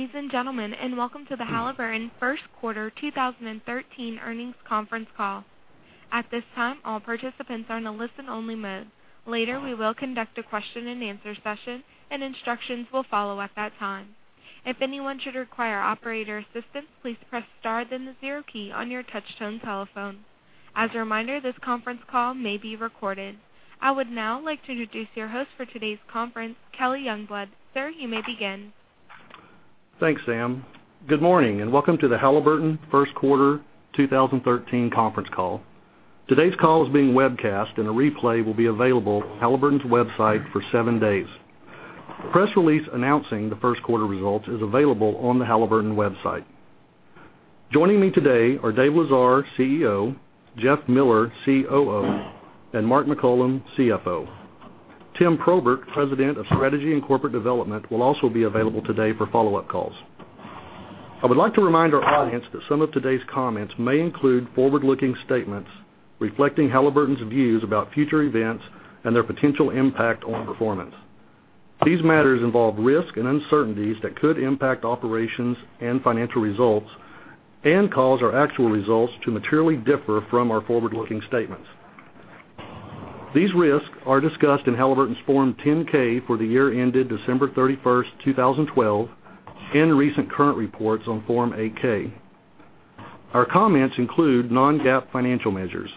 Ladies and gentlemen, welcome to the Halliburton first quarter 2013 earnings conference call. At this time, all participants are in a listen-only mode. Later, we will conduct a question and answer session, and instructions will follow at that time. If anyone should require operator assistance, please press star then the 0 key on your touchtone telephone. As a reminder, this conference call may be recorded. I would now like to introduce your host for today's conference, Kelly Youngblood. Sir, you may begin. Thanks, Sam. Good morning, welcome to the Halliburton first quarter 2013 conference call. Today's call is being webcast, and a replay will be available on Halliburton's website for seven days. Press release announcing the first quarter results is available on the Halliburton website. Joining me today are Dave Lesar, CEO, Jeff Miller, COO, and Mark McCollum, CFO. Tim Probert, President of Strategy and Corporate Development, will also be available today for follow-up calls. I would like to remind our audience that some of today's comments may include forward-looking statements reflecting Halliburton's views about future events and their potential impact on performance. These matters involve risk and uncertainties that could impact operations and financial results and cause our actual results to materially differ from our forward-looking statements. These risks are discussed in Halliburton's Form 10-K for the year ended December 31, 2012, and recent current reports on Form 8-K. Our comments include non-GAAP financial measures.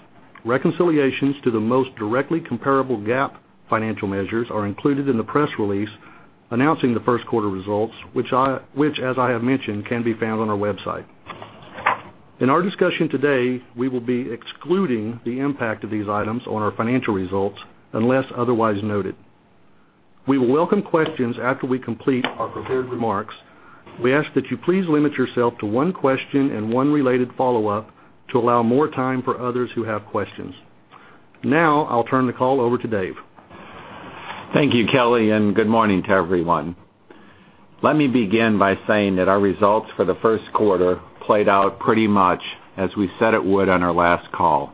Reconciliations to the most directly comparable GAAP financial measures are included in the press release announcing the first quarter results, which, as I have mentioned, can be found on our website. In our discussion today, we will be excluding the impact of these items on our financial results unless otherwise noted. We will welcome questions after we complete our prepared remarks. We ask that we please limit yourself to one question and one related follow-up to allow more time for others who have questions. Now, I'll turn the call over to Dave. Thank you, Kelly, good morning to everyone. Let me begin by saying that our results for the first quarter played out pretty much as we said it would on our last call.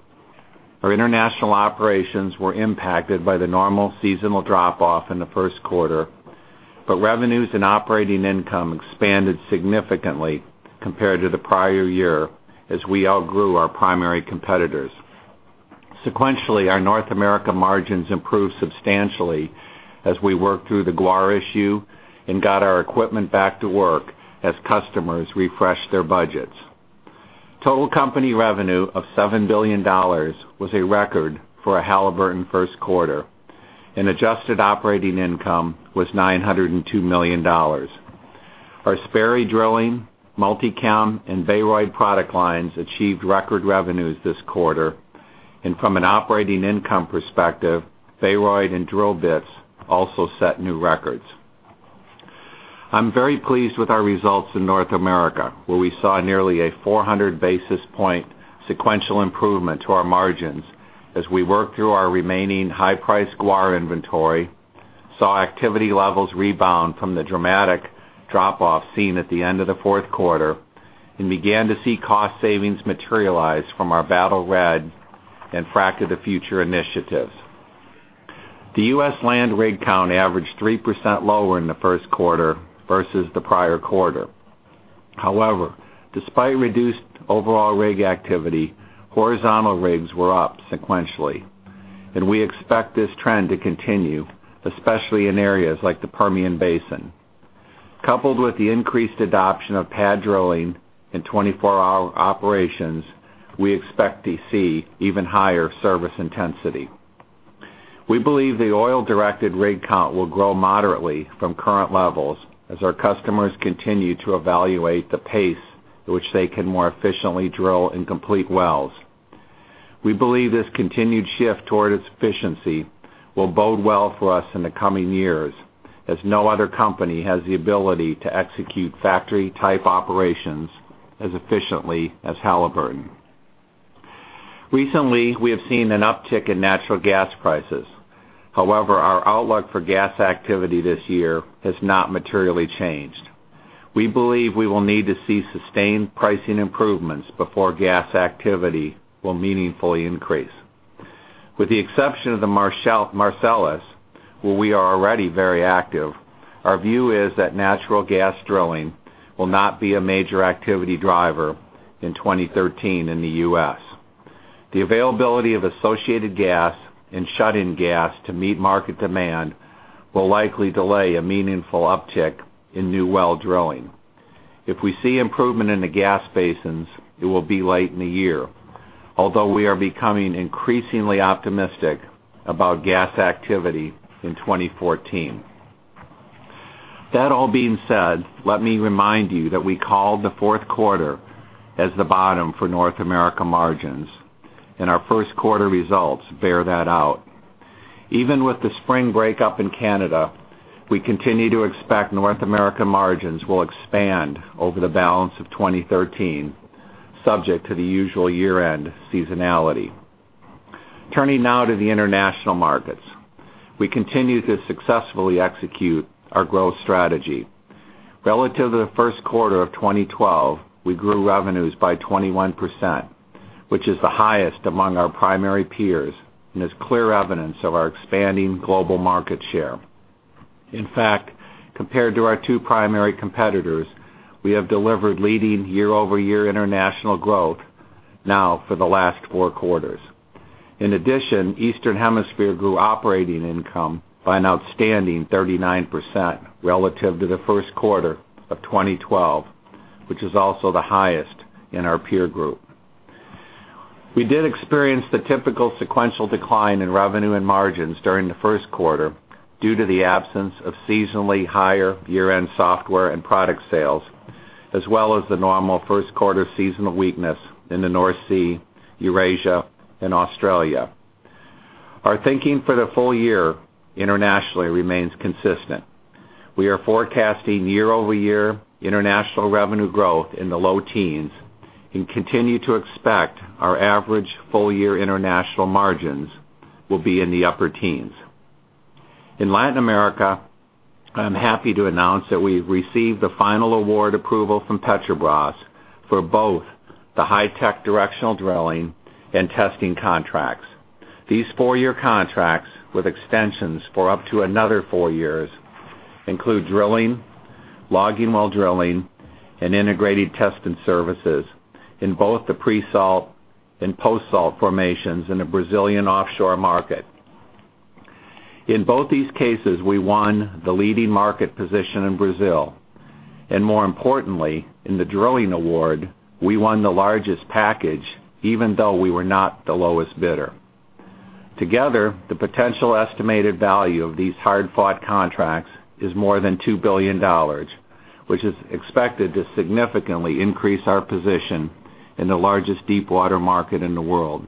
Our international operations were impacted by the normal seasonal drop-off in the first quarter, but revenues and operating income expanded significantly compared to the prior year as we outgrew our primary competitors. Sequentially, our North America margins improved substantially as we worked through the guar issue and got our equipment back to work as customers refreshed their budgets. Total company revenue of $7 billion was a record for a Halliburton first quarter, and adjusted operating income was $902 million. Our Sperry Drilling, Multi-Chem, and Baroid product lines achieved record revenues this quarter, and from an operating income perspective, Baroid and Drill Bits also set new records. I'm very pleased with our results in North America, where we saw nearly a 400 basis points sequential improvement to our margins as we worked through our remaining high-priced guar inventory, saw activity levels rebound from the dramatic drop-off seen at the end of the fourth quarter, and began to see cost savings materialize from our Battle Red and Frac of the Future initiatives. Despite reduced overall rig activity, horizontal rigs were up sequentially, and we expect this trend to continue, especially in areas like the Permian Basin. Coupled with the increased adoption of pad drilling and 24-hour operations, we expect to see even higher service intensity. We believe the oil-directed rig count will grow moderately from current levels as our customers continue to evaluate the pace at which they can more efficiently drill and complete wells. We believe this continued shift toward efficiency will bode well for us in the coming years, as no other company has the ability to execute factory-type operations as efficiently as Halliburton. Recently, we have seen an uptick in natural gas prices. Our outlook for gas activity this year has not materially changed. We believe we will need to see sustained pricing improvements before gas activity will meaningfully increase. With the exception of the Marcellus, where we are already very active, our view is that natural gas drilling will not be a major activity driver in 2013 in the U.S. The availability of associated gas and shut-in gas to meet market demand will likely delay a meaningful uptick in new well drilling. If we see improvement in the gas basins, it will be late in the year. We are becoming increasingly optimistic about gas activity in 2014. All being said, let me remind you that we called the fourth quarter as the bottom for North America margins, and our first quarter results bear that out. With the spring breakup in Canada, we continue to expect North America margins will expand over the balance of 2013, subject to the usual year-end seasonality. Turning now to the international markets. We continue to successfully execute our growth strategy. Relative to the first quarter of 2012, we grew revenues by 21%, which is the highest among our primary peers and is clear evidence of our expanding global market share. Compared to our two primary competitors, we have delivered leading year-over-year international growth now for the last four quarters. Eastern Hemisphere grew operating income by an outstanding 39% relative to the first quarter of 2012, which is also the highest in our peer group. We did experience the typical sequential decline in revenue and margins during the first quarter due to the absence of seasonally higher year-end software and product sales, as well as the normal first quarter seasonal weakness in the North Sea, Eurasia and Australia. Our thinking for the full year internationally remains consistent. We are forecasting year-over-year international revenue growth in the low teens and continue to expect our average full-year international margins will be in the upper teens. In Latin America, I'm happy to announce that we've received the final award approval from Petrobras for both the high-tech directional drilling and testing contracts. These four-year contracts, with extensions for up to another four years, include drilling, logging while drilling, and integrated testing services in both the pre-salt and post-salt formations in the Brazilian offshore market. In both these cases, we won the leading market position in Brazil, and more importantly, in the drilling award, we won the largest package, even though we were not the lowest bidder. Together, the potential estimated value of these hard-fought contracts is more than $2 billion, which is expected to significantly increase our position in the largest deepwater market in the world.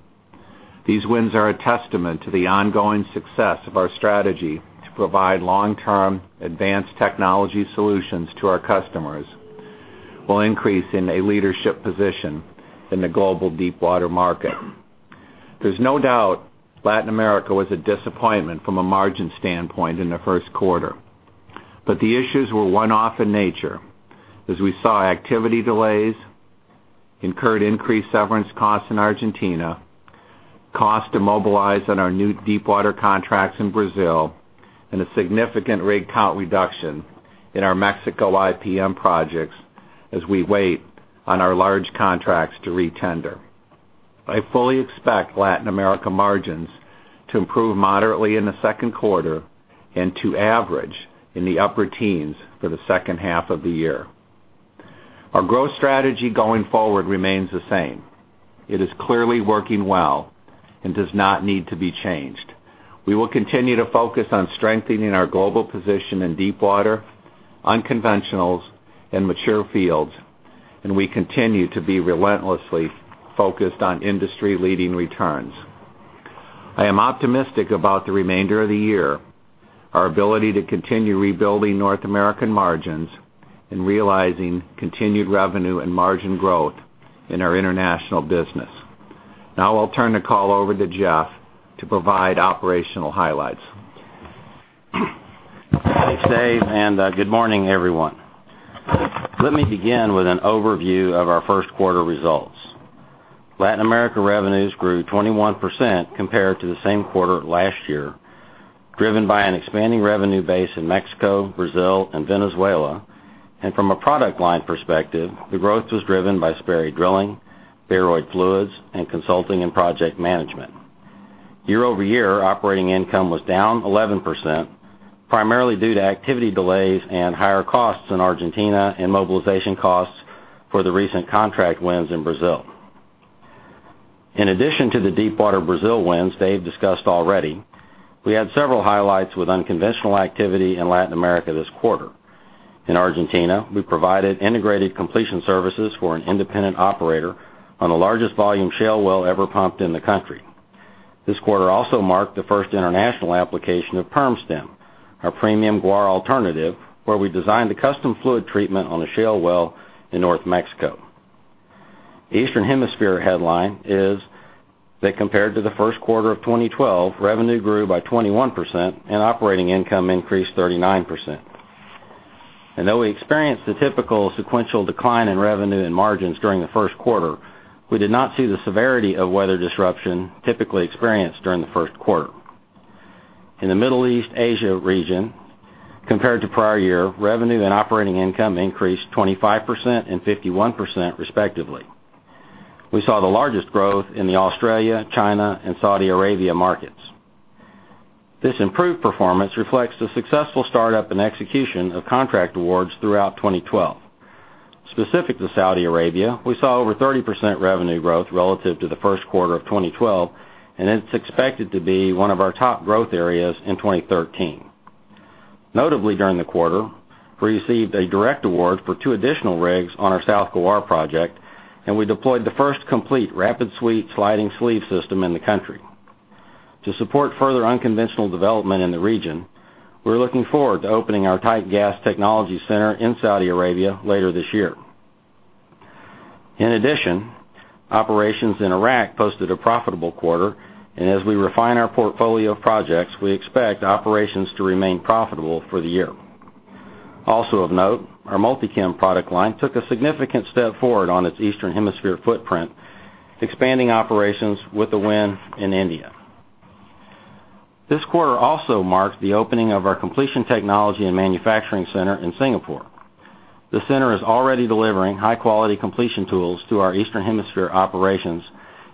These wins are a testament to the ongoing success of our strategy to provide long-term advanced technology solutions to our customers, while increasing a leadership position in the global deepwater market. There's no doubt Latin America was a disappointment from a margin standpoint in the first quarter, but the issues were one-off in nature, as we saw activity delays, incurred increased severance costs in Argentina, cost to mobilize on our new deepwater contracts in Brazil, and a significant rig count reduction in our Mexico IPM projects as we wait on our large contracts to re-tender. I fully expect Latin America margins to improve moderately in the second quarter and to average in the upper teens for the second half of the year. Our growth strategy going forward remains the same. It is clearly working well and does not need to be changed. We will continue to focus on strengthening our global position in deepwater, unconventionals, and mature fields, and we continue to be relentlessly focused on industry-leading returns. I am optimistic about the remainder of the year, our ability to continue rebuilding North American margins, and realizing continued revenue and margin growth in our international business. Now I'll turn the call over to Jeff to provide operational highlights. Thanks, Dave, and good morning, everyone. Let me begin with an overview of our first quarter results. Latin America revenues grew 21% compared to the same quarter last year, driven by an expanding revenue base in Mexico, Brazil and Venezuela. From a product line perspective, the growth was driven by Sperry Drilling, Baroid Fluids, and Consulting and Project Management. Year-over-year operating income was down 11%, primarily due to activity delays and higher costs in Argentina and mobilization costs for the recent contract wins in Brazil. In addition to the deepwater Brazil wins Dave discussed already, we had several highlights with unconventional activity in Latin America this quarter. In Argentina, we provided integrated completion services for an independent operator on the largest volume shale well ever pumped in the country. This quarter also marked the first international application of PermStim, our premium guar alternative, where we designed a custom fluid treatment on a shale well in Northern Mexico. Eastern Hemisphere headline is that compared to the first quarter of 2012, revenue grew by 21% and operating income increased 39%. Though we experienced the typical sequential decline in revenue and margins during the first quarter, we did not see the severity of weather disruption typically experienced during the first quarter. In the Middle East-Asia region, compared to prior year, revenue and operating income increased 25% and 51% respectively. We saw the largest growth in the Australia, China, and Saudi Arabia markets. This improved performance reflects the successful startup and execution of contract awards throughout 2012. Specific to Saudi Arabia, we saw over 30% revenue growth relative to the first quarter of 2012, and it's expected to be one of our top growth areas in 2013. Notably during the quarter, we received a direct award for two additional rigs on our South Ghawar project, and we deployed the first complete RapidSuite sliding sleeve system in the country. To support further unconventional development in the region, we're looking forward to opening our tight gas technology center in Saudi Arabia later this year. In addition, operations in Iraq posted a profitable quarter, and as we refine our portfolio of projects, we expect operations to remain profitable for the year. Also of note, our Multi-Chem product line took a significant step forward on its Eastern Hemisphere footprint, expanding operations with a win in India. This quarter also marks the opening of our completion technology and manufacturing center in Singapore. The center is already delivering high-quality completion tools to our Eastern Hemisphere operations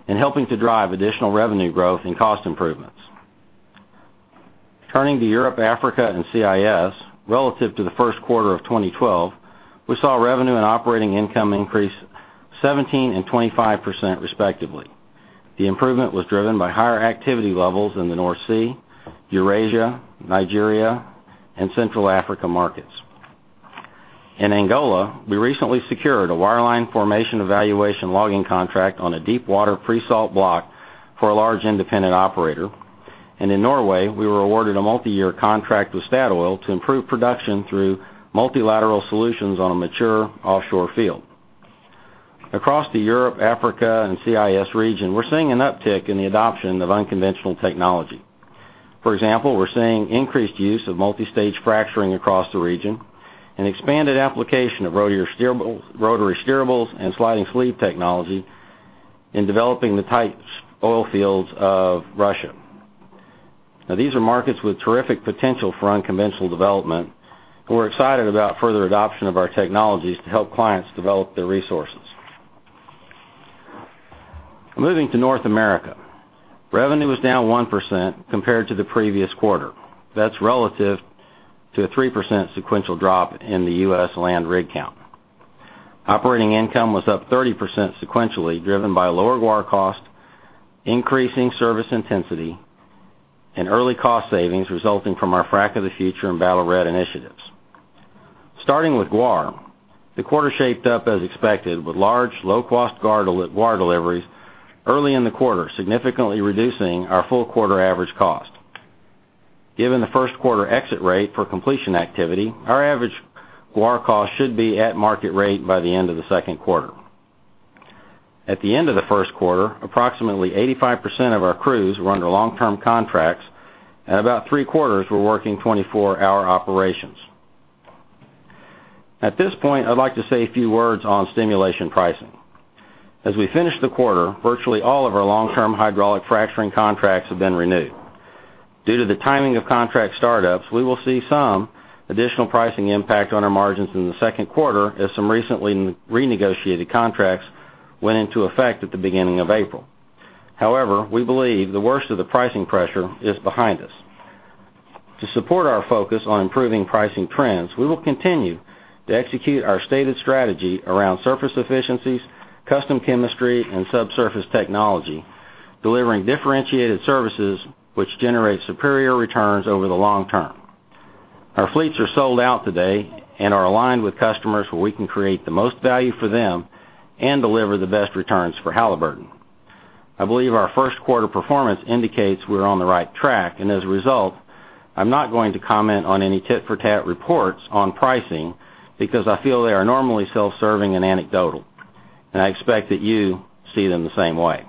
and helping to drive additional revenue growth and cost improvements. Turning to Europe, Africa, and CIS, relative to the first quarter of 2012, we saw revenue and operating income increase 17% and 25%, respectively. The improvement was driven by higher activity levels in the North Sea, Eurasia, Nigeria, and Central Africa markets. In Angola, we recently secured a wireline formation evaluation logging contract on a deepwater pre-salt block for a large independent operator. In Norway, we were awarded a multi-year contract with Statoil to improve production through multilateral solutions on a mature offshore field. Across the Europe, Africa, and CIS region, we're seeing an uptick in the adoption of unconventional technology. For example, we're seeing increased use of multistage fracturing across the region and expanded application of rotary steerables and sliding sleeve technology in developing the tight oil fields of Russia. These are markets with terrific potential for unconventional development, and we're excited about further adoption of our technologies to help clients develop their resources. Moving to North America. Revenue was down one percent compared to the previous quarter. That's relative to a three percent sequential drop in the U.S. land rig count. Operating income was up 30% sequentially, driven by lower guar cost, increasing service intensity, and early cost savings resulting from our Frac of the Future and Battle Red initiatives. Starting with guar, the quarter shaped up as expected, with large, low-cost guar deliveries early in the quarter, significantly reducing our full-quarter average cost. Given the first quarter exit rate for completion activity, our average guar cost should be at market rate by the end of the second quarter. At the end of the first quarter, approximately 85% of our crews were under long-term contracts, and about three-quarters were working 24-hour operations. At this point, I'd like to say a few words on stimulation pricing. As we finish the quarter, virtually all of our long-term hydraulic fracturing contracts have been renewed. Due to the timing of contract startups, we will see some additional pricing impact on our margins in the second quarter as some recently renegotiated contracts went into effect at the beginning of April. We believe the worst of the pricing pressure is behind us. To support our focus on improving pricing trends, we will continue to execute our stated strategy around surface efficiencies, custom chemistry, and subsurface technology, delivering differentiated services which generate superior returns over the long term. Our fleets are sold out today and are aligned with customers where we can create the most value for them and deliver the best returns for Halliburton. I believe our first quarter performance indicates we're on the right track. As a result, I'm not going to comment on any tit-for-tat reports on pricing because I feel they are normally self-serving and anecdotal, and I expect that you see them the same way.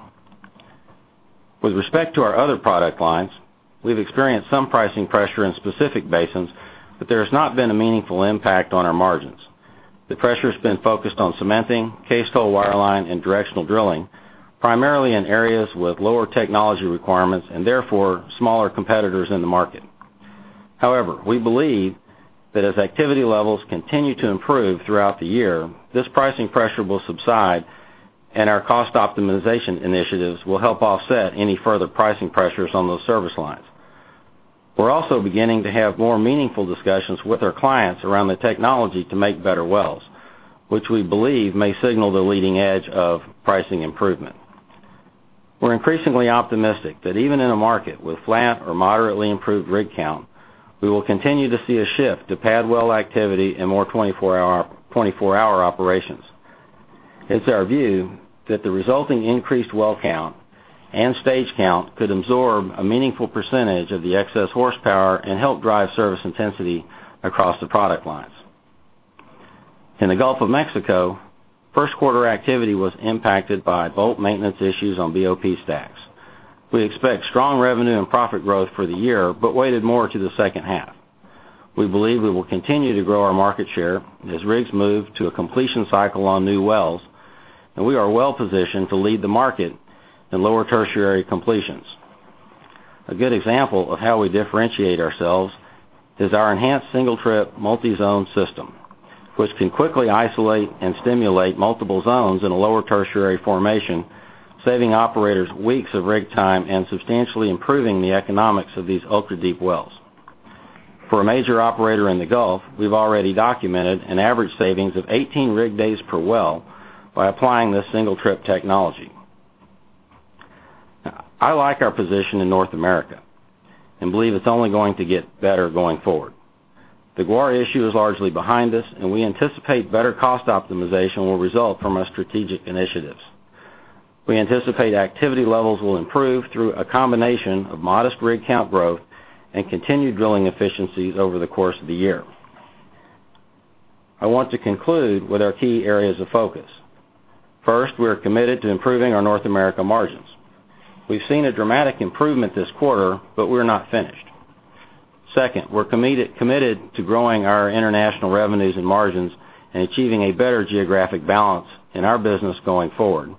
With respect to our other product lines, we've experienced some pricing pressure in specific basins. There has not been a meaningful impact on our margins. The pressure's been focused on cementing, cased hole wireline, and directional drilling, primarily in areas with lower technology requirements and therefore smaller competitors in the market. We believe that as activity levels continue to improve throughout the year, this pricing pressure will subside, and our cost optimization initiatives will help offset any further pricing pressures on those service lines. We're also beginning to have more meaningful discussions with our clients around the technology to make better wells, which we believe may signal the leading edge of pricing improvement. We're increasingly optimistic that even in a market with flat or moderately improved rig count, we will continue to see a shift to pad well activity and more 24-hour operations. It's our view that the resulting increased well count and stage count could absorb a meaningful percentage of the excess horsepower and help drive service intensity across the product lines. In the Gulf of Mexico, first quarter activity was impacted by bolt maintenance issues on BOP stacks. We expect strong revenue and profit growth for the year, weighted more to the second half. We believe we will continue to grow our market share as rigs move to a completion cycle on new wells. We are well positioned to lead the market in Lower Tertiary completions. A good example of how we differentiate ourselves is our Enhanced Single-Trip Multizone System, which can quickly isolate and stimulate multiple zones in a Lower Tertiary formation, saving operators weeks of rig time and substantially improving the economics of these ultra-deep wells. For a major operator in the Gulf, we've already documented an average savings of 18 rig days per well by applying this single trip technology. I like our position in North America and believe it's only going to get better going forward. The guar issue is largely behind us, and we anticipate better cost optimization will result from our strategic initiatives. We anticipate activity levels will improve through a combination of modest rig count growth and continued drilling efficiencies over the course of the year. I want to conclude with our key areas of focus. First, we are committed to improving our North America margins. We've seen a dramatic improvement this quarter, but we're not finished. Second, we're committed to growing our international revenues and margins and achieving a better geographic balance in our business going forward.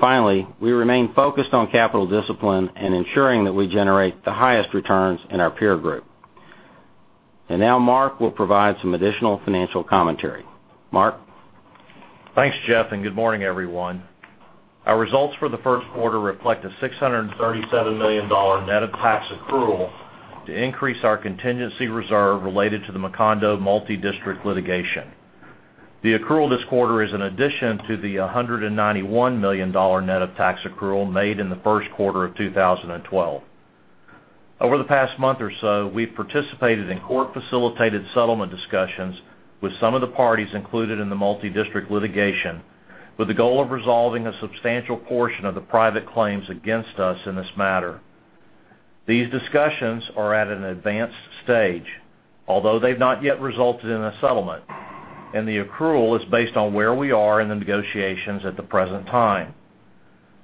Finally, we remain focused on capital discipline and ensuring that we generate the highest returns in our peer group. Now Mark will provide some additional financial commentary. Mark? Thanks, Jeff, and good morning, everyone. Our results for the first quarter reflect a $637 million net of tax accrual to increase our contingency reserve related to the Macondo multi-district litigation. The accrual this quarter is an addition to the $191 million net of tax accrual made in the first quarter of 2012. Over the past month or so, we've participated in court-facilitated settlement discussions with some of the parties included in the multi-district litigation, with the goal of resolving a substantial portion of the private claims against us in this matter. These discussions are at an advanced stage, although they've not yet resulted in a settlement, and the accrual is based on where we are in the negotiations at the present time.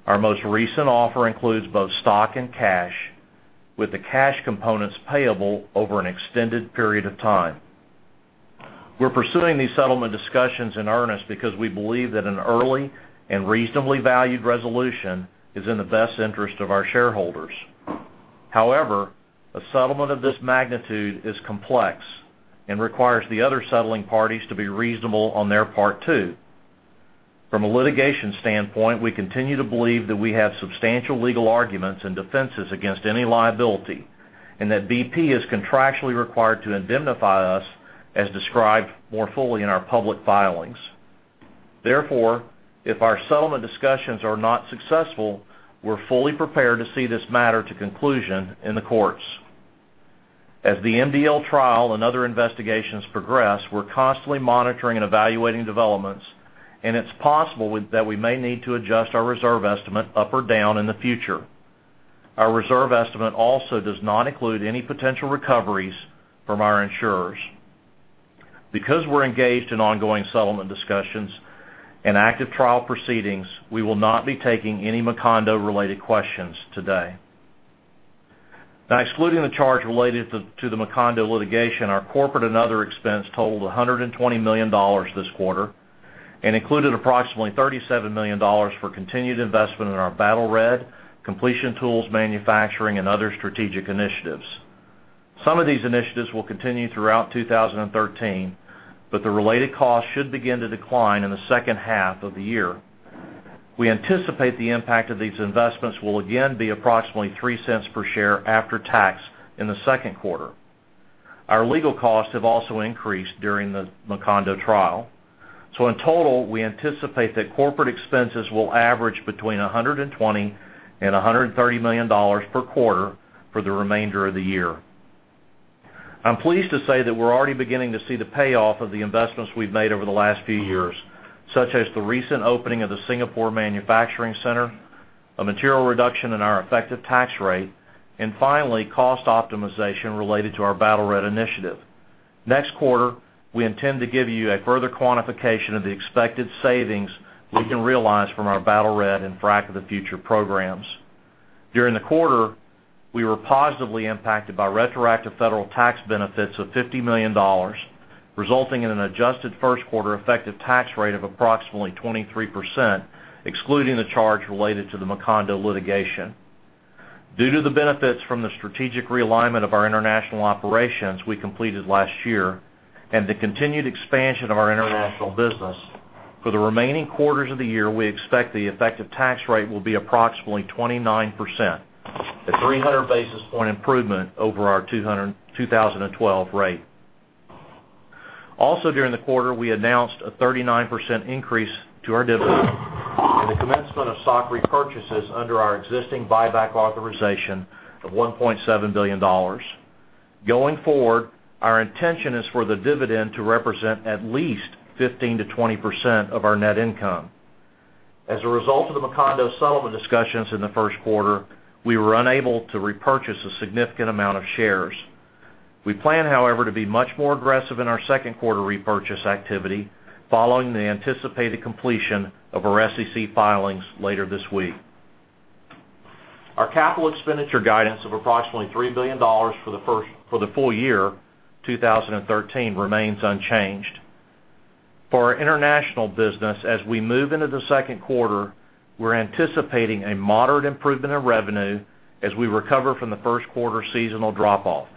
Our most recent offer includes both stock and cash, with the cash components payable over an extended period of time. We're pursuing these settlement discussions in earnest because we believe that an early and reasonably valued resolution is in the best interest of our shareholders. However, a settlement of this magnitude is complex and requires the other settling parties to be reasonable on their part, too. From a litigation standpoint, we continue to believe that we have substantial legal arguments and defenses against any liability, and that BP is contractually required to indemnify us as described more fully in our public filings. Therefore, if our settlement discussions are not successful, we're fully prepared to see this matter to conclusion in the courts. As the MDL trial and other investigations progress, we're constantly monitoring and evaluating developments, and it's possible that we may need to adjust our reserve estimate up or down in the future. Our reserve estimate also does not include any potential recoveries from our insurers. Because we're engaged in ongoing settlement discussions and active trial proceedings, we will not be taking any Macondo-related questions today. Now, excluding the charge related to the Macondo litigation, our corporate and other expense totaled $120 million this quarter and included approximately $37 million for continued investment in our Battle Red, completion tools manufacturing, and other strategic initiatives. Some of these initiatives will continue throughout 2013, but the related cost should begin to decline in the second half of the year. We anticipate the impact of these investments will again be approximately $0.03 per share after tax in the second quarter. Our legal costs have also increased during the Macondo trial. In total, we anticipate that corporate expenses will average between $120 million and $130 million per quarter for the remainder of the year. I'm pleased to say that we're already beginning to see the payoff of the investments we've made over the last few years, such as the recent opening of the Singapore Manufacturing Center, a material reduction in our effective tax rate, and finally, cost optimization related to our Battle Red initiative. Next quarter, we intend to give you a further quantification of the expected savings we can realize from our Battle Red and Frac of the Future programs. During the quarter, we were positively impacted by retroactive federal tax benefits of $50 million, resulting in an adjusted first quarter effective tax rate of approximately 23%, excluding the charge related to the Macondo litigation. Due to the benefits from the strategic realignment of our international operations we completed last year and the continued expansion of our international business, for the remaining quarters of the year, we expect the effective tax rate will be approximately 29%, a 300 basis point improvement over our 2012 rate. Also during the quarter, we announced a 39% increase to our dividend and the commencement of stock repurchases under our existing buyback authorization of $1.7 billion. Going forward, our intention is for the dividend to represent at least 15%-20% of our net income. As a result of the Macondo settlement discussions in the first quarter, we were unable to repurchase a significant amount of shares. We plan, however, to be much more aggressive in our second quarter repurchase activity following the anticipated completion of our SEC filings later this week. Our capital expenditure guidance of approximately $3 billion for the full year 2013 remains unchanged. For our international business, as we move into the second quarter, we're anticipating a moderate improvement in revenue as we recover from the first quarter seasonal drop-off,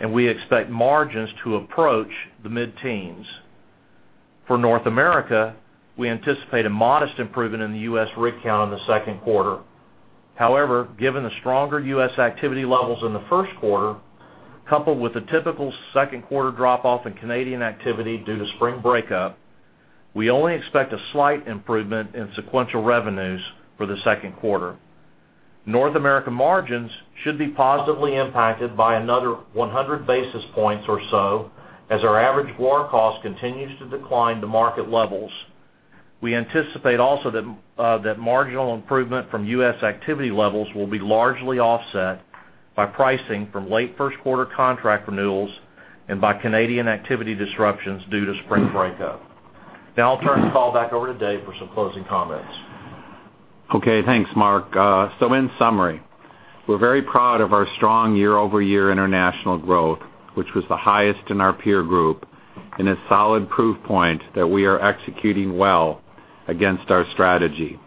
and we expect margins to approach the mid-teens. For North America, we anticipate a modest improvement in the U.S. rig count in the second quarter. However, given the stronger U.S. activity levels in the first quarter, coupled with a typical second quarter drop-off in Canadian activity due to spring breakup, we only expect a slight improvement in sequential revenues for the second quarter. North American margins should be positively impacted by another 100 basis points or so as our average guar cost continues to decline to market levels. We anticipate also that marginal improvement from U.S. activity levels will be largely offset by pricing from late first quarter contract renewals and by Canadian activity disruptions due to spring breakup. Now I'll turn the call back over to Dave for some closing comments. Okay, thanks, Mark. In summary, we're very proud of our strong year-over-year international growth, which was the highest in our peer group, and a solid proof point that we are executing well against our strategy.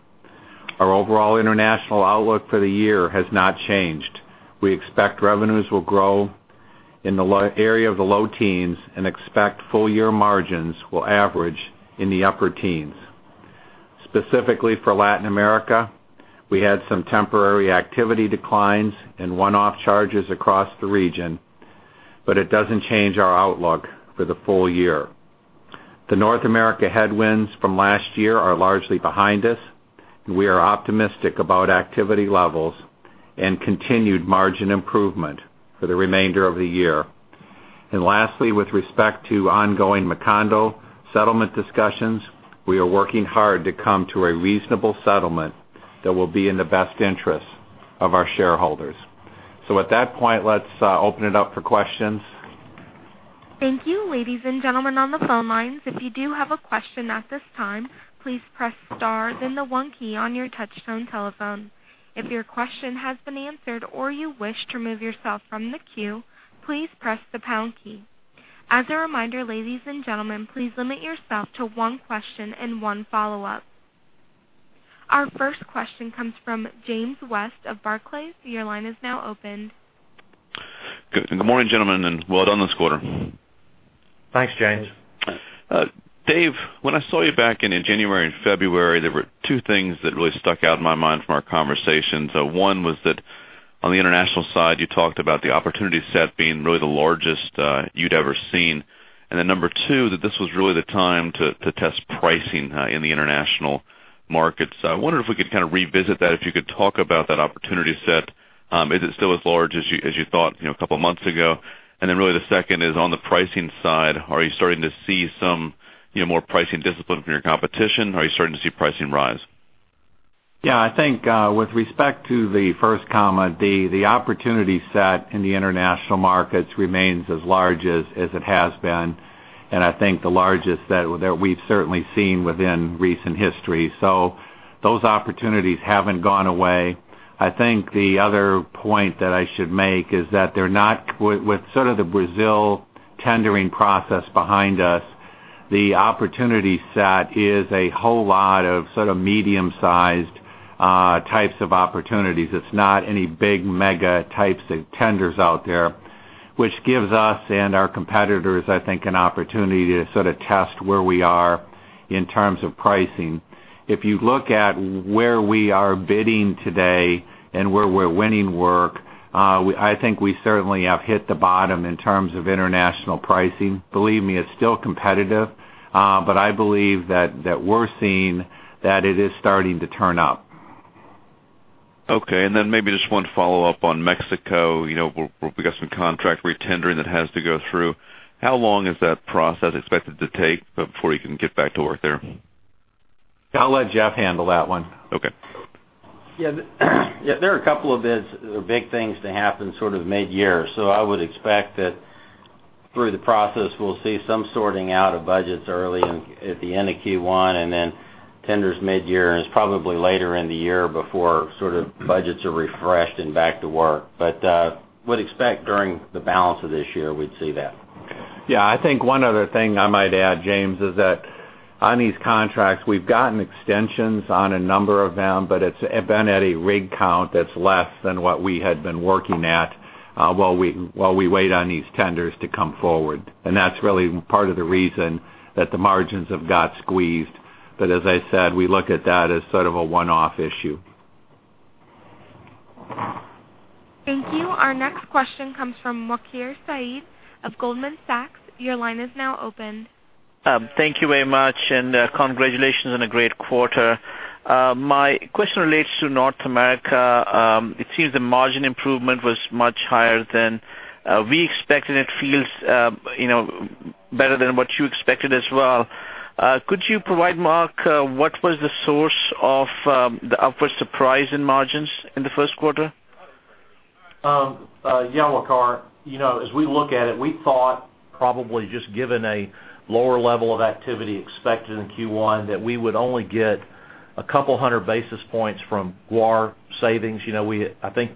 Our overall international outlook for the year has not changed. We expect revenues will grow in the area of the low teens and expect full year margins will average in the upper teens. Specifically for Latin America, we had some temporary activity declines and one-off charges across the region, it doesn't change our outlook for the full year. The North America headwinds from last year are largely behind us, and we are optimistic about activity levels and continued margin improvement for the remainder of the year. Lastly, with respect to ongoing Macondo settlement discussions, we are working hard to come to a reasonable settlement that will be in the best interest of our shareholders. At that point, let's open it up for questions. Thank you. Ladies and gentlemen on the phone lines, if you do have a question at this time, please press star then the one key on your touchtone telephone. If your question has been answered or you wish to remove yourself from the queue, please press the pound key. As a reminder, ladies and gentlemen, please limit yourself to one question and one follow-up. Our first question comes from James West of Barclays. Your line is now open. Good morning, gentlemen, and well done this quarter. Thanks, James. Thanks. Dave, when I saw you back in January and February, there were two things that really stuck out in my mind from our conversations. One was that on the international side, you talked about the opportunity set being really the largest you'd ever seen. number 2, that this was really the time to test pricing in the international markets. I wonder if we could kind of revisit that, if you could talk about that opportunity set. Is it still as large as you thought a couple of months ago? really the second is on the pricing side, are you starting to see some more pricing discipline from your competition? Are you starting to see pricing rise? Yeah, I think with respect to the first comment, the opportunity set in the international markets remains as large as it has been, and I think the largest that we've certainly seen within recent history. Those opportunities haven't gone away. I think the other point that I should make is that with sort of the Brazil tendering process behind us, the opportunity set is a whole lot of sort of medium-sized types of opportunities. It's not any big mega types of tenders out there, which gives us and our competitors, I think, an opportunity to sort of test where we are in terms of pricing. If you look at where we are bidding today and where we're winning work, I think we certainly have hit the bottom in terms of international pricing. Believe me, it's still competitive. I believe that we're seeing that it is starting to turn up. Okay, maybe just one follow-up on Mexico, where we've got some contract retendering that has to go through. How long is that process expected to take before you can get back to work there? I'll let Jeff handle that one. Okay. Yeah. There are a couple of bids or big things to happen sort of mid-year. I would expect that through the process, we'll see some sorting out of budgets early at the end of Q1 and then tenders mid-year. It's probably later in the year before sort of budgets are refreshed and back to work. Would expect during the balance of this year, we'd see that. Yeah. I think one other thing I might add, James, is that on these contracts, we've gotten extensions on a number of them, it's been at a rig count that's less than what we had been working at while we wait on these tenders to come forward. That's really part of the reason that the margins have got squeezed. As I said, we look at that as sort of a one-off issue. Thank you. Our next question comes from Waqar Sadiq of Goldman Sachs. Your line is now open. Congratulations on a great quarter. My question relates to North America. It seems the margin improvement was much higher than we expected. It feels better than what you expected as well. Could you provide, Mark, what was the source of the upward surprise in margins in Q1? Yeah, Waqar. As we look at it, we thought probably just given a lower level of activity expected in Q1, that we would only get 200 basis points from guar savings. I think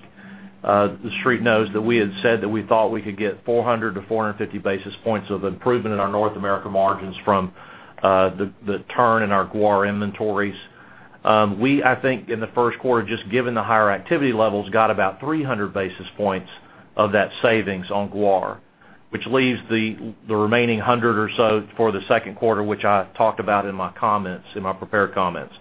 the Street knows that we had said that we thought we could get 400-450 basis points of improvement in our North America margins from the turn in our guar inventories. We, I think in Q1, just given the higher activity levels, got about 300 basis points of that savings on guar, which leaves the remaining 100 or so for Q2, which I talked about in my prepared comments.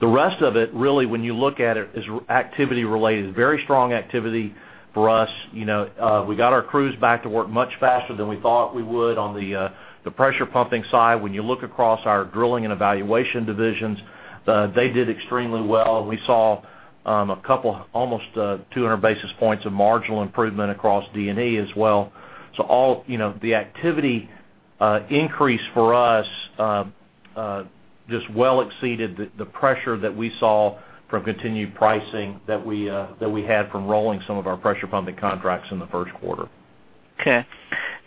The rest of it, really, when you look at it, is activity related. Very strong activity for us. We got our crews back to work much faster than we thought we would on the pressure pumping side. When you look across our Drilling and Evaluation divisions, they did extremely well. We saw almost 200 basis points of marginal improvement across Drilling and Evaluation as well. The activity increase for us Just well exceeded the pressure that we saw from continued pricing that we had from rolling some of our pressure pumping contracts in Q1.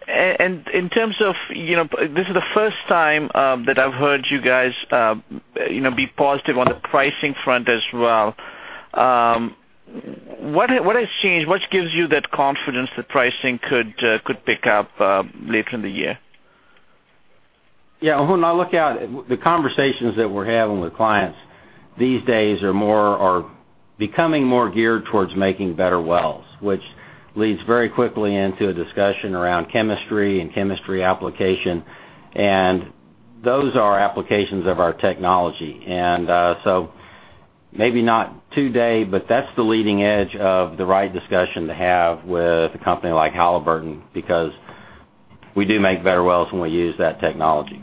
Okay. In terms of, this is the first time that I've heard you guys be positive on the pricing front as well. What has changed? What gives you that confidence that pricing could pick up later in the year? Yeah. When I look at the conversations that we're having with clients these days are becoming more geared towards making better wells, which leads very quickly into a discussion around chemistry and chemistry application, and those are applications of our technology. So maybe not today, but that's the leading edge of the right discussion to have with a company like Halliburton, because we do make better wells when we use that technology.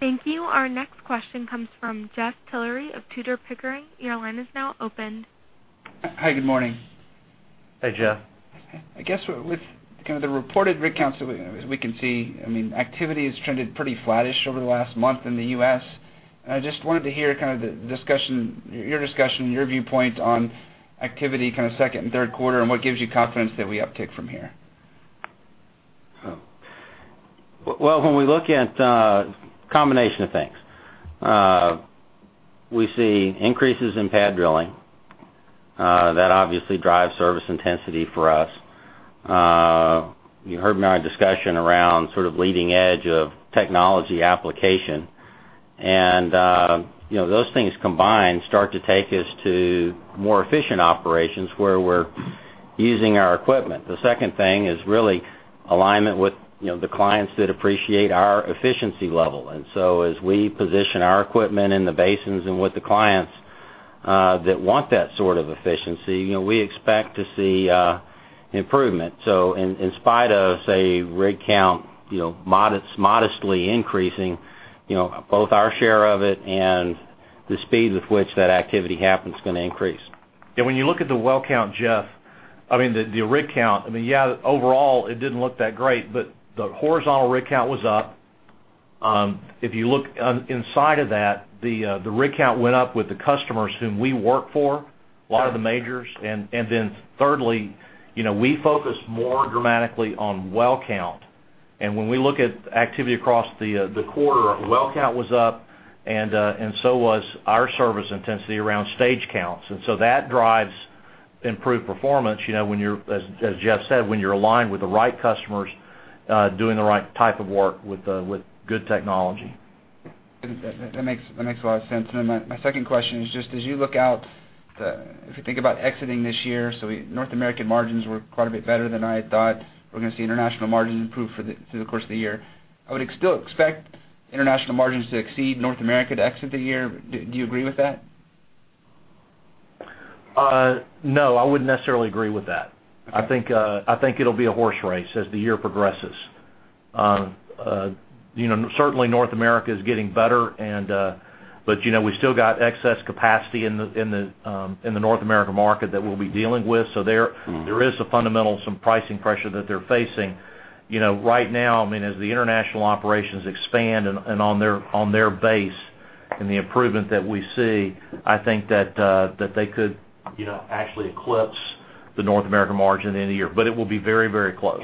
Thank you. Our next question comes from Jeff Tillery of Tudor, Pickering. Your line is now open. Hi, good morning. Hey, Jeff. I guess with kind of the reported rig counts that we can see, activity has trended pretty flattish over the last month in the U.S. I just wanted to hear your discussion, your viewpoint on activity kind of second and third quarter, and what gives you confidence that we uptick from here? Well, when we look at a combination of things. We see increases in pad drilling. That obviously drives service intensity for us. You heard me in our discussion around sort of leading edge of technology application, and those things combined start to take us to more efficient operations where we're using our equipment. The second thing is really alignment with the clients that appreciate our efficiency level. As we position our equipment in the basins and with the clients that want that sort of efficiency, we expect to see improvement. In spite of, say, rig count modestly increasing, both our share of it and the speed with which that activity happens is going to increase. When you look at the well count, Jeff, the rig count, yeah, overall, it didn't look that great, the horizontal rig count was up. If you look inside of that, the rig count went up with the customers whom we work for, a lot of the majors. Then thirdly, we focus more dramatically on well count. When we look at activity across the quarter, well count was up and so was our service intensity around stage counts. So that drives improved performance, as Jeff said, when you're aligned with the right customers doing the right type of work with good technology. That makes a lot of sense. My second question is just as you look out, if you think about exiting this year, North American margins were quite a bit better than I had thought. We're going to see international margins improve through the course of the year. I would still expect international margins to exceed North America to exit the year. Do you agree with that? No, I wouldn't necessarily agree with that. Okay. I think it'll be a horse race as the year progresses. North America's getting better, but we still got excess capacity in the North America market that we'll be dealing with. There is a fundamental, some pricing pressure that they're facing. Right now, as the international operations expand and on their base and the improvement that we see, I think that they could actually eclipse the North American margin at the end of the year. It will be very close.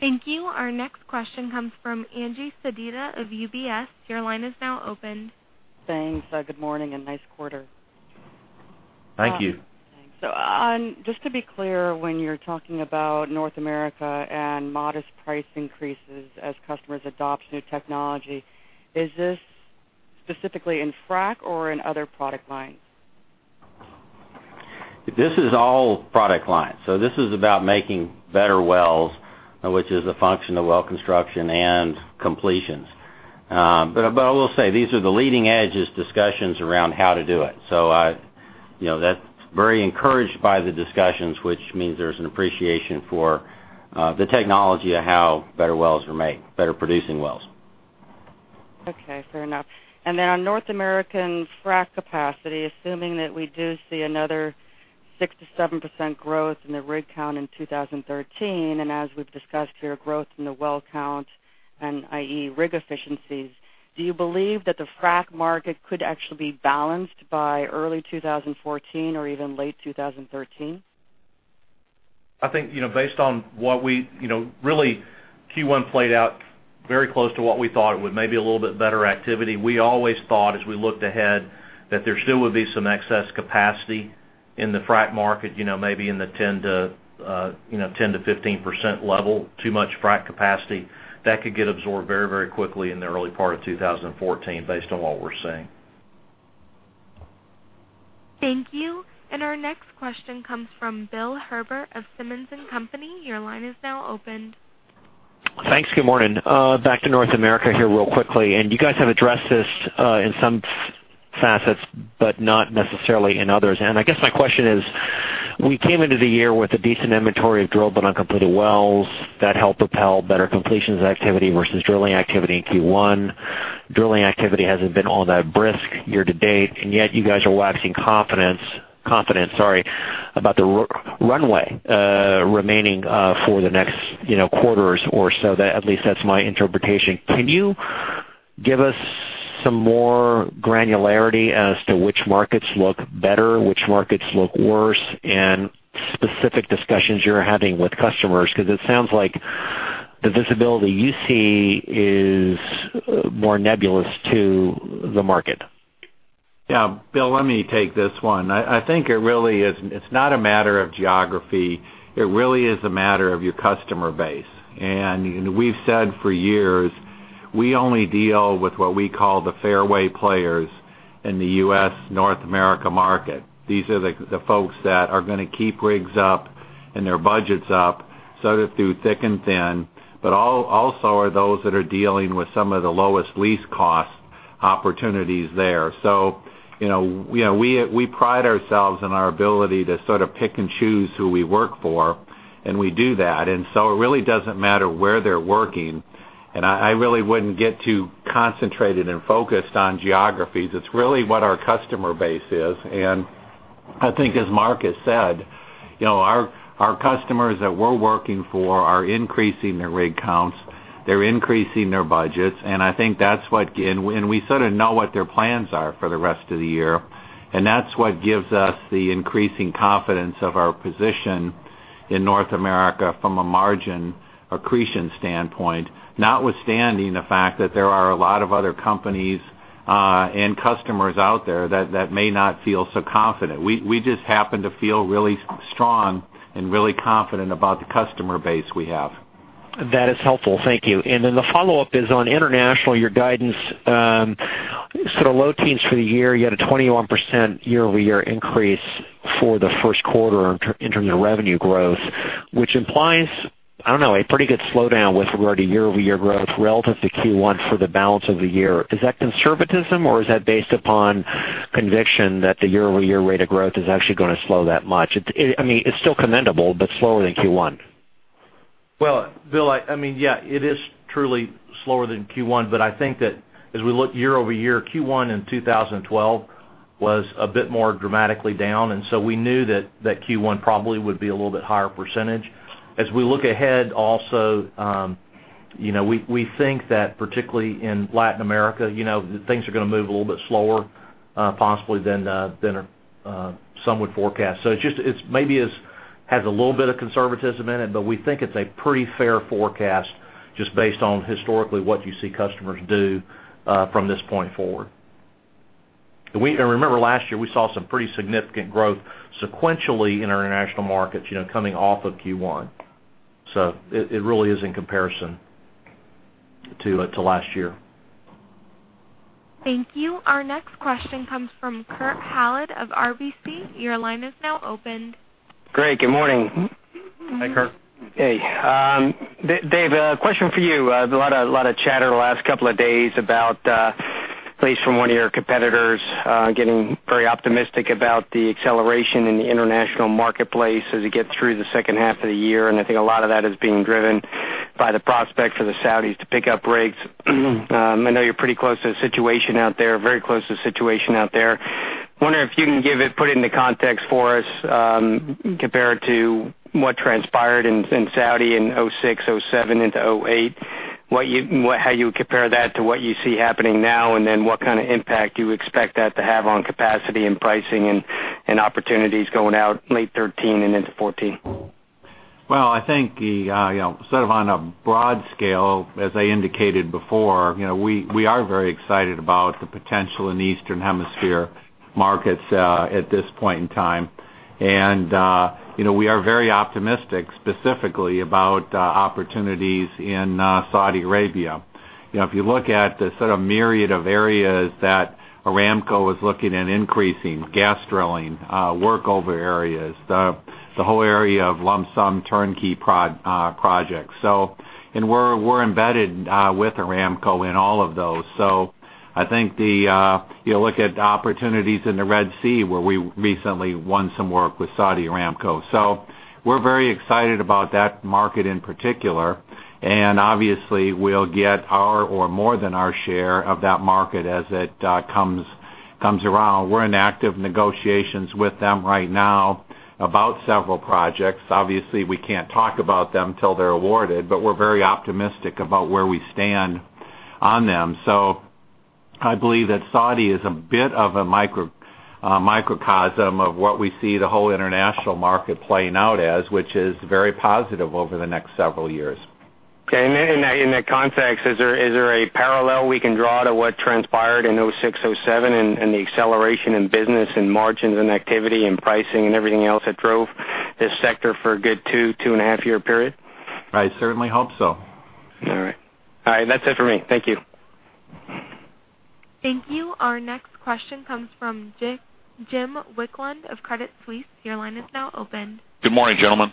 Yeah. Thank you. Our next question comes from Angeline Sedita of UBS. Your line is now open. Thanks. Good morning, nice quarter. Thank you. Just to be clear, when you're talking about North America and modest price increases as customers adopt new technology, is this specifically in frack or in other product lines? This is all product lines. This is about making better wells, which is a function of well construction and completions. I will say these are the leading edge discussions around how to do it. That's very encouraging by the discussions, which means there's an appreciation for the technology of how better wells are made, better producing wells. On North American frac capacity, assuming that we do see another 6%-7% growth in the rig count in 2013, as we've discussed here, growth in the well count and i.e. rig efficiencies, do you believe that the frac market could actually be balanced by early 2014 or even late 2013? I think based on what we Really Q1 played out very close to what we thought it would, maybe a little bit better activity. We always thought as we looked ahead that there still would be some excess capacity in the frac market, maybe in the 10%-15% level, too much frac capacity. That could get absorbed very quickly in the early part of 2014 based on what we're seeing. Thank you. Our next question comes from Bill Herbert of Simmons & Company. Your line is now open. Thanks. Good morning. Back to North America here real quickly, you guys have addressed this in some facets, not necessarily in others. I guess my question is, we came into the year with a decent inventory of drilled but uncompleted wells that helped propel better completions activity versus drilling activity in Q1. Drilling activity hasn't been all that brisk year to date, yet you guys are waxing confident about the runway remaining for the next quarters or so. At least that's my interpretation. Can you give us some more granularity as to which markets look better, which markets look worse, and specific discussions you're having with customers? It sounds like the visibility you see is more nebulous to the market. Yeah, Bill, let me take this one. I think it's not a matter of geography. It really is a matter of your customer base. We've said for years, we only deal with what we call the fairway players in the U.S., North America market. These are the folks that are going to keep rigs up and their budgets up, sort of through thick and thin, but also are those that are dealing with some of the lowest lease cost opportunities there. We pride ourselves on our ability to sort of pick and choose who we work for, and we do that. It really doesn't matter where they're working, and I really wouldn't get too concentrated and focused on geographies. It's really what our customer base is. I think, as Mark has said, our customers that we're working for are increasing their rig counts, they're increasing their budgets, and we sort of know what their plans are for the rest of the year. That's what gives us the increasing confidence of our position in North America from a margin accretion standpoint, notwithstanding the fact that there are a lot of other companies and customers out there that may not feel so confident. We just happen to feel really strong and really confident about the customer base we have. That is helpful. Thank you. The follow-up is on international. Your guidance, sort of low teens for the year. You had a 21% year-over-year increase for the first quarter in terms of revenue growth, which implies, I don't know, a pretty good slowdown with regard to year-over-year growth relative to Q1 for the balance of the year. Is that conservatism or is that based upon conviction that the year-over-year rate of growth is actually going to slow that much? It's still commendable, but slower than Q1. Well, Bill, yes, it is truly slower than Q1, but I think that as we look year-over-year, Q1 in 2012 was a bit more dramatically down, we knew that Q1 probably would be a little bit higher percentage. As we look ahead also, we think that particularly in Latin America, things are going to move a little bit slower possibly than some would forecast. Maybe it has a little bit of conservatism in it, but we think it's a pretty fair forecast just based on historically what you see customers do from this point forward. Remember last year, we saw some pretty significant growth sequentially in our international markets coming off of Q1. It really is in comparison to last year. Thank you. Our next question comes from Kurt Hallead of RBC. Your line is now open. Great. Good morning. Hi, Kurt. Hey. Dave, a question for you. A lot of chatter the last couple of days about, at least from one of your competitors, getting very optimistic about the acceleration in the international marketplace as we get through the second half of the year, and I think a lot of that is being driven by the prospect for the Saudis to pick up rigs. I know you're pretty close to the situation out there, very close to the situation out there. Wondering if you can put it into context for us, compared to what transpired in Saudi in 2006, 2007, into 2008. How you would compare that to what you see happening now, and then what kind of impact do you expect that to have on capacity and pricing and opportunities going out late 2013 and into 2014? Well, I think sort of on a broad scale, as I indicated before, we are very excited about the potential in the Eastern Hemisphere markets at this point in time. We are very optimistic specifically about opportunities in Saudi Arabia. If you look at the sort of myriad of areas that Aramco is looking at increasing, gas drilling, workover areas, the whole area of lump sum turnkey projects. We're embedded with Aramco in all of those. I think you look at opportunities in the Red Sea, where we recently won some work with Saudi Aramco. We're very excited about that market in particular, and obviously, we'll get our or more than our share of that market as it comes around. We're in active negotiations with them right now about several projects. Obviously, we can't talk about them till they're awarded, but we're very optimistic about where we stand on them. I believe that Saudi is a bit of a microcosm of what we see the whole international market playing out as, which is very positive over the next several years. Okay. In that context, is there a parallel we can draw to what transpired in '06, '07, and the acceleration in business, in margins and activity, in pricing and everything else that drove this sector for a good two and a half year period? I certainly hope so. All right. That's it for me. Thank you. Thank you. Our next question comes from Jim Wicklund of Credit Suisse. Your line is now open. Good morning, gentlemen.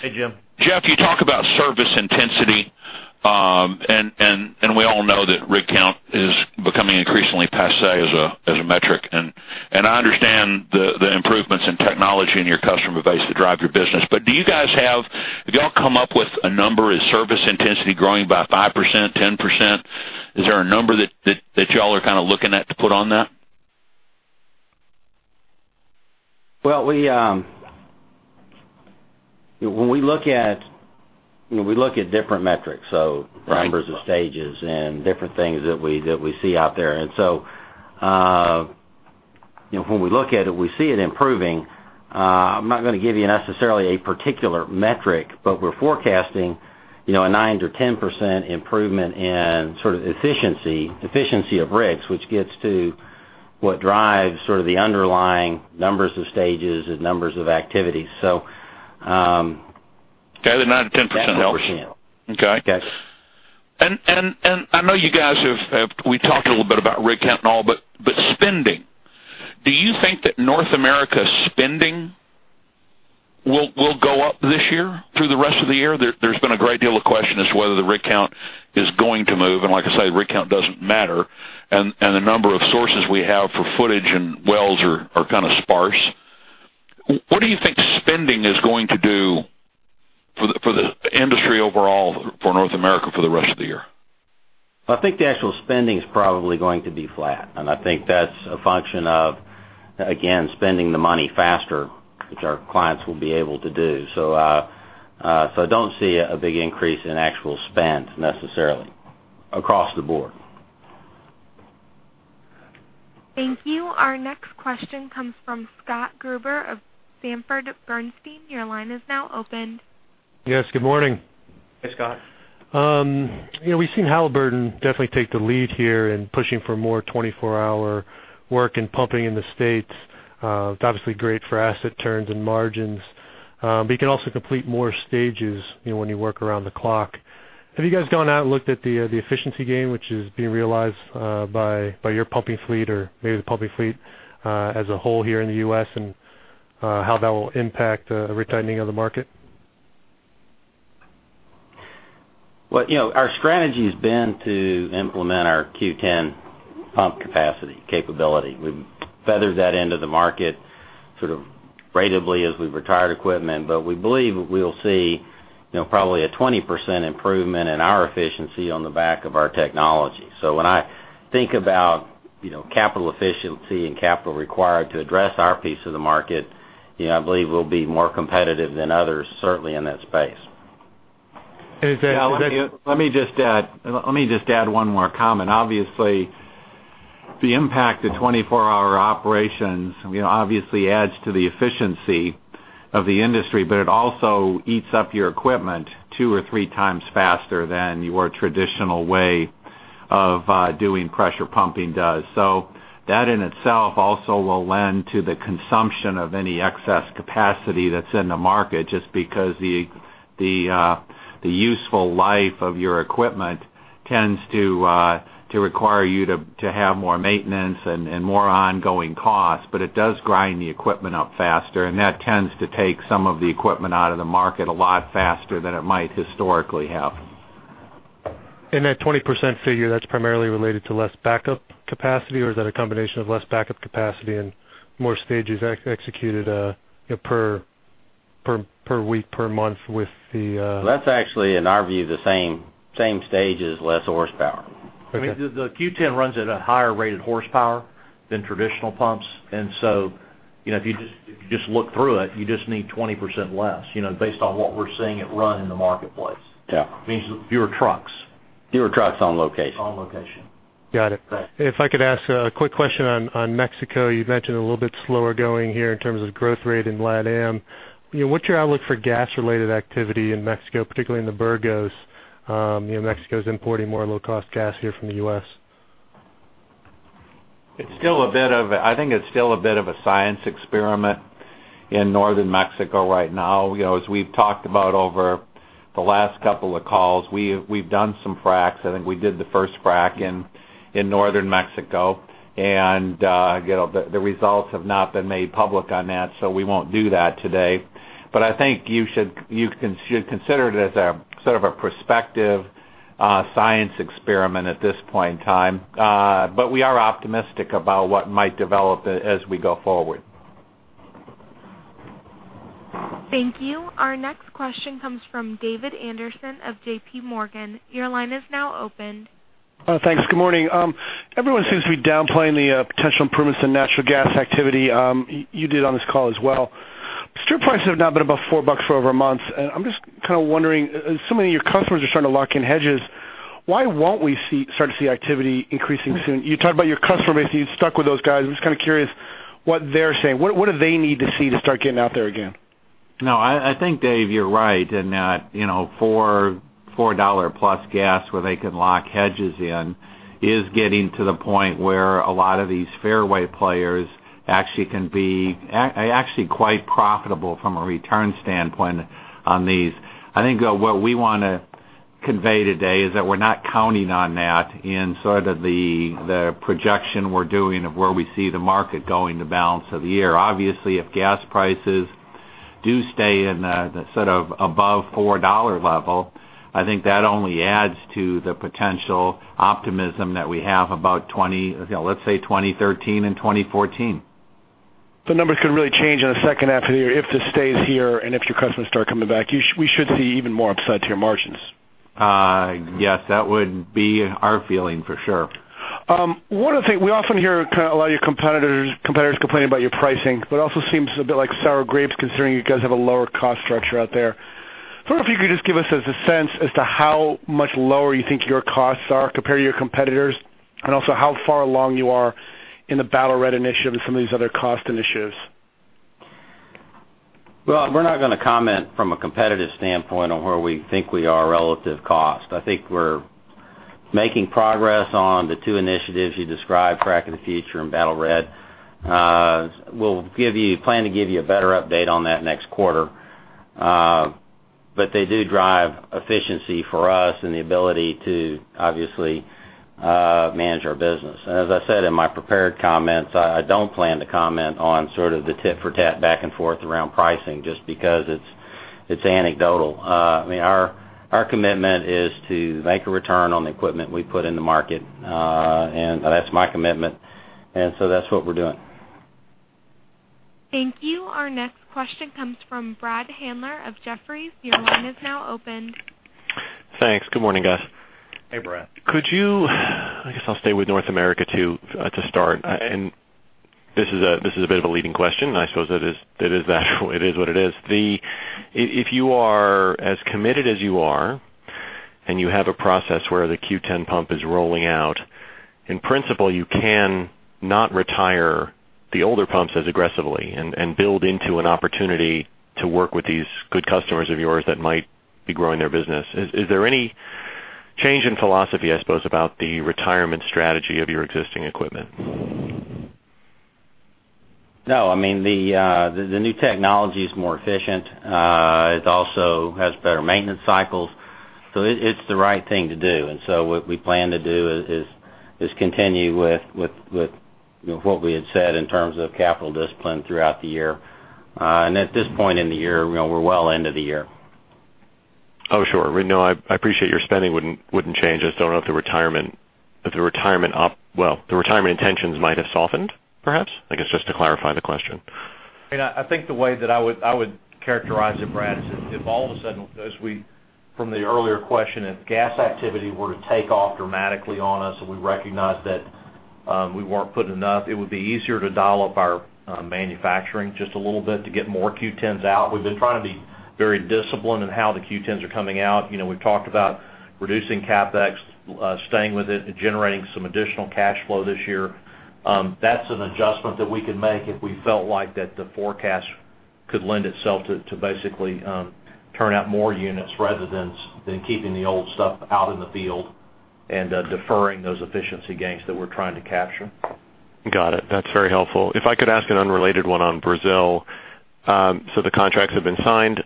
Hey, Jim. Jeff, you talk about service intensity. We all know that rig count is becoming increasingly passe as a metric, and I understand the improvements in technology in your customer base that drive your business. Have you all come up with a number? Is service intensity growing by 5%, 10%? Is there a number that you all are kind of looking at to put on that? Well, we look at different metrics, so numbers of stages and different things that we see out there. When we look at it, we see it improving. I'm not going to give you necessarily a particular metric, we're forecasting a 9% or 10% improvement in efficiency of rigs, which gets to what drives the underlying numbers of stages and numbers of activities. Okay. The 9% to 10% helps. That's what we're seeing. Okay. Yes. We talked a little bit about rig count and all, but spending. Do you think that North America spending will go up this year through the rest of the year? There's been a great deal of question as to whether the rig count is going to move, like I said, rig count doesn't matter, the number of sources we have for footage and wells are kind of sparse. What do you think spending is going to do for the industry overall, for North America for the rest of the year? I think the actual spending is probably going to be flat. I think that's a function of, again, spending the money faster, which our clients will be able to do. I don't see a big increase in actual spend necessarily across the board. Thank you. Our next question comes from Scott Gruber of Sanford Bernstein. Your line is now open. Yes, good morning. Hey, Scott. We've seen Halliburton definitely take the lead here in pushing for more 24-hour work and pumping in the U.S. It's obviously great for asset turns and margins, you can also complete more stages when you work around the clock. Have you guys gone out and looked at the efficiency gain, which is being realized by your pumping fleet or maybe the pumping fleet as a whole here in the U.S., and how that will impact the retiming of the market? Well, our strategy's been to implement our Q10 pump capacity capability. We've feathered that into the market sort of ratably as we've retired equipment. We believe we'll see probably a 20% improvement in our efficiency on the back of our technology. When I think about capital efficiency and capital required to address our piece of the market, I believe we'll be more competitive than others, certainly in that space. And if I- Let me just add one more comment. Obviously, the impact of 24-hour operations adds to the efficiency of the industry, but it also eats up your equipment two or three times faster than your traditional way of doing pressure pumping does. That in itself also will lend to the consumption of any excess capacity that's in the market, just because the useful life of your equipment tends to require you to have more maintenance and more ongoing costs. It does grind the equipment up faster, and that tends to take some of the equipment out of the market a lot faster than it might historically have. That 20% figure, that's primarily related to less backup capacity, or is that a combination of less backup capacity and more stages executed per week, per month with the- That's actually, in our view, the same stage as less horsepower. Okay. The Q10 runs at a higher rated horsepower than traditional pumps. If you just look through it, you just need 20% less, based on what we're seeing it run in the marketplace. Yeah. It means fewer trucks. Fewer trucks on location. On location. Got it. Okay. If I could ask a quick question on Mexico. You've mentioned a little bit slower going here in terms of growth rate in LATAM. What's your outlook for gas-related activity in Mexico, particularly in the Burgos? Mexico's importing more low-cost gas here from the U.S. I think it is still a bit of a science experiment in Northern Mexico right now. As we have talked about over the last couple of calls, we have done some fracs. I think we did the first frac in Northern Mexico, and the results have not been made public on that, so we won't do that today. I think you should consider it as sort of a prospective science experiment at this point in time. We are optimistic about what might develop as we go forward. Thank you. Our next question comes from David Anderson of JPMorgan. Your line is now open. Thanks. Good morning. Everyone seems to be downplaying the potential improvements in natural gas activity. You did on this call as well. Strip prices have not been above $4 for over a month. I am just kind of wondering, so many of your customers are starting to lock in hedges. Why won't we start to see activity increasing soon? You talked about your customers, you stuck with those guys. I am just kind of curious what they are saying. What do they need to see to start getting out there again? No, I think, Dave, you are right in that $4-plus gas where they can lock hedges in is getting to the point where a lot of these fairway players can be actually quite profitable from a return standpoint on these. I think what we want to convey today is that we are not counting on that in sort of the projection we are doing of where we see the market going the balance of the year. Obviously, if gas prices do stay in the above $4 level, I think that only adds to the potential optimism that we have about, let's say, 2013 and 2014. The numbers can really change in a second half of the year if this stays here and if your customers start coming back. We should see even more upside to your margins? Yes, that would be our feeling for sure. One of the things we often hear a lot of your competitors complain about your pricing, but also seems a bit like sour grapes considering you guys have a lower cost structure out there. I wonder if you could just give us a sense as to how much lower you think your costs are compared to your competitors, and also how far along you are in the Battle Red initiative and some of these other cost initiatives. Well, we're not going to comment from a competitive standpoint on where we think we are relative cost. I think we're making progress on the two initiatives you described, Frac of the Future and Battle Red. We'll plan to give you a better update on that next quarter. They do drive efficiency for us and the ability to, obviously, manage our business. As I said in my prepared comments, I don't plan to comment on sort of the tit for tat back and forth around pricing just because it's anecdotal. Our commitment is to make a return on the equipment we put in the market. That's my commitment, and so that's what we're doing. Thank you. Our next question comes from Brad Handler of Jefferies. Your line is now open. Thanks. Good morning, guys. Hey, Brad. I guess I'll stay with North America to start. This is a bit of a leading question, I suppose it is what it is. If you are as committed as you are, and you have a process where the Q10 pump is rolling out, in principle, you can not retire the older pumps as aggressively and build into an opportunity to work with these good customers of yours that might be growing their business. Is there any change in philosophy, I suppose, about the retirement strategy of your existing equipment? No. The new technology is more efficient. It also has better maintenance cycles. It's the right thing to do. What we plan to do is continue with what we had said in terms of capital discipline throughout the year. At this point in the year, we're well into the year. Oh, sure. No, I appreciate your spending wouldn't change. I just don't know if the retirement intentions might have softened, perhaps. I guess, just to clarify the question. I think the way that I would characterize it, Brad, is if all of a sudden, from the earlier question, if gas activity were to take off dramatically on us and we recognized that we weren't putting enough, it would be easier to dial up our manufacturing just a little bit to get more Q10s out. We've been trying to be very disciplined in how the Q10s are coming out. We've talked about reducing CapEx, staying with it, and generating some additional cash flow this year. That's an adjustment that we could make if we felt like that the forecast could lend itself to basically turn out more units rather than keeping the old stuff out in the field and deferring those efficiency gains that we're trying to capture. Got it. That's very helpful. If I could ask an unrelated one on Brazil. The contracts have been signed.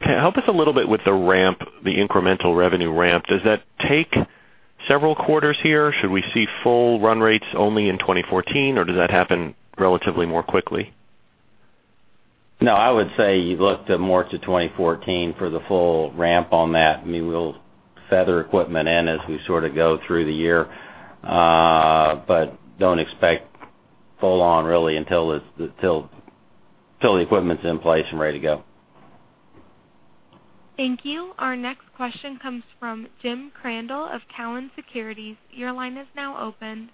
Help us a little bit with the ramp, the incremental revenue ramp. Does that take several quarters here? Should we see full run rates only in 2014, or does that happen relatively more quickly? I would say you look more to 2014 for the full ramp on that. We'll feather equipment in as we sort of go through the year. Don't expect full on really until the equipment's in place and ready to go. Thank you. Our next question comes from Jim Crandell of Cowen Securities. Your line is now open.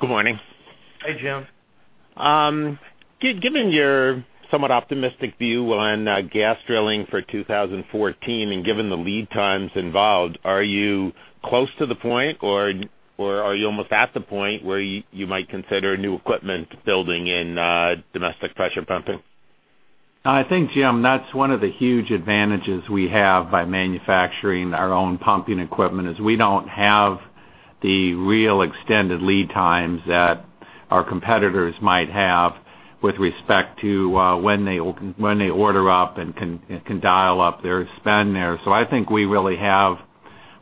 Good morning. Hey, Jim. Given your somewhat optimistic view on gas drilling for 2014 and given the lead times involved, are you close to the point or are you almost at the point where you might consider new equipment building in domestic pressure pumping? I think, Jim, that's one of the huge advantages we have by manufacturing our own pumping equipment is we don't have the real extended lead times that our competitors might have with respect to when they order up and can dial up their spend there. I think we really have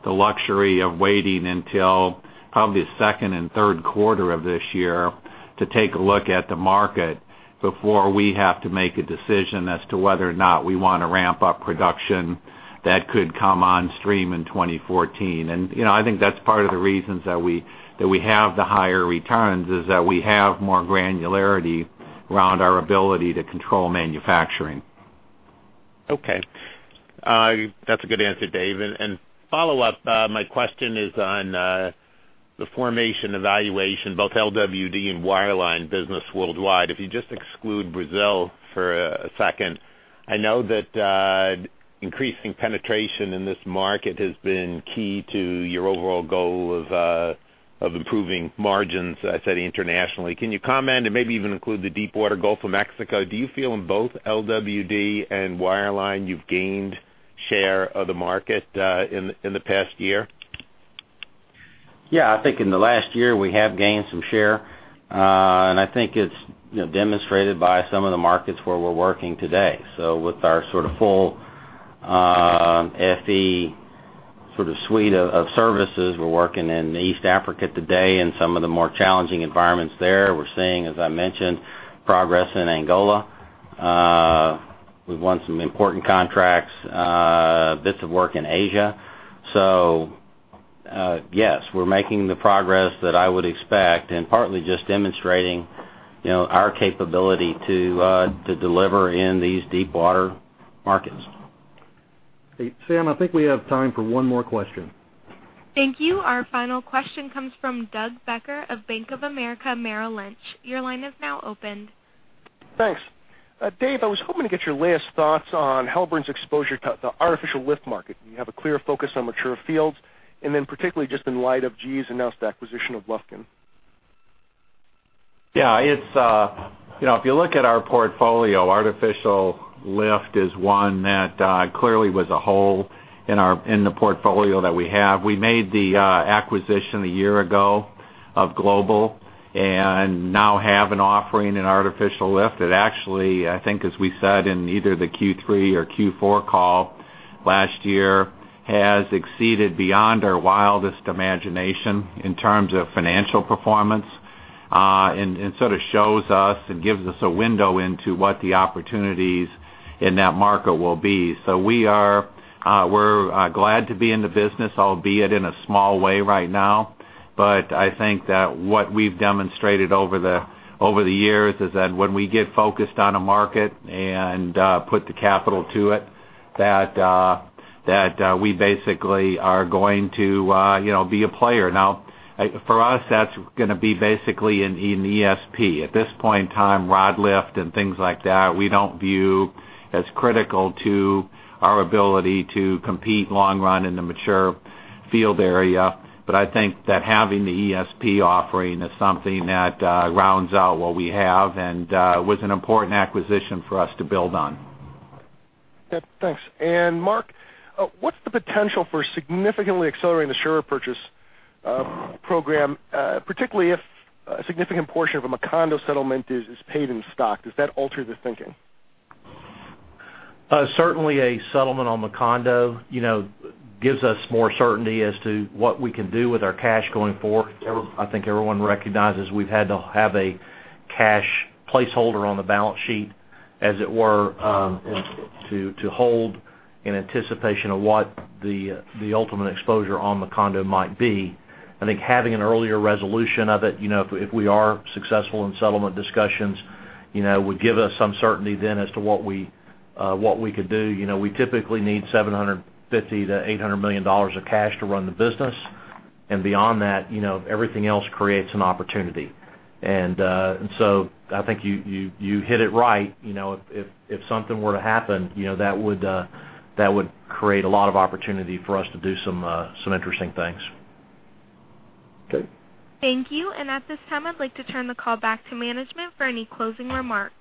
the luxury of waiting until probably second and third quarter of this year to take a look at the market before we have to make a decision as to whether or not we want to ramp up production that could come on stream in 2014. I think that's part of the reasons that we have the higher returns, is that we have more granularity around our ability to control manufacturing. Okay. That's a good answer, Dave. Follow up, my question is on the formation evaluation, both LWD and wireline business worldwide. If you just exclude Brazil for a second, I know that increasing penetration in this market has been key to your overall goal of improving margins, I'd say internationally. Can you comment and maybe even include the Deepwater Gulf of Mexico? Do you feel in both LWD and wireline you've gained share of the market in the past year? Yeah. I think in the last year, we have gained some share. I think it's demonstrated by some of the markets where we're working today. With our sort of full FE suite of services, we're working in East Africa today in some of the more challenging environments there. We're seeing, as I mentioned, progress in Angola. We've won some important contracts, bits of work in Asia. Yes, we're making the progress that I would expect, and partly just demonstrating our capability to deliver in these deep water markets. Sam, I think we have time for one more question. Thank you. Our final question comes from Doug Becker of Bank of America Merrill Lynch. Your line is now open. Thanks. Dave, I was hoping to get your latest thoughts on Halliburton's exposure to the artificial lift market. Do you have a clear focus on mature fields? Particularly just in light of GE's announced acquisition of Lufkin. Yeah. If you look at our portfolio, artificial lift is one that clearly was a hole in the portfolio that we have. We made the acquisition a year ago of Global, and now have an offering in artificial lift that actually, I think as we said in either the Q3 or Q4 call last year, has exceeded beyond our wildest imagination in terms of financial performance. Sort of shows us and gives us a window into what the opportunities in that market will be. We're glad to be in the business, albeit in a small way right now. I think that what we've demonstrated over the years is that when we get focused on a market and put the capital to it, that we basically are going to be a player. For us, that's gonna be basically in ESP. At this point in time, rod lift and things like that, we don't view as critical to our ability to compete long run in the mature field area. I think that having the ESP offering is something that rounds out what we have and was an important acquisition for us to build on. Yeah. Thanks. Mark, what's the potential for significantly accelerating the share purchase program, particularly if a significant portion of a Macondo settlement is paid in stock? Does that alter the thinking? Certainly, a settlement on Macondo gives us more certainty as to what we can do with our cash going forward. I think everyone recognizes we've had to have a cash placeholder on the balance sheet, as it were, to hold in anticipation of what the ultimate exposure on Macondo might be. I think having an earlier resolution of it, if we are successful in settlement discussions, would give us some certainty then as to what we could do. We typically need $750 million-$800 million of cash to run the business. Beyond that, everything else creates an opportunity. I think you hit it right. If something were to happen, that would create a lot of opportunity for us to do some interesting things. Okay. Thank you. At this time, I'd like to turn the call back to management for any closing remarks.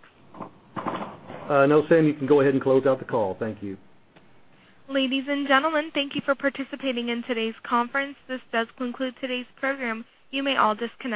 No, Sam, you can go ahead and close out the call. Thank you. Ladies and gentlemen, thank you for participating in today's conference. This does conclude today's program. You may all disconnect.